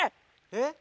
えっ？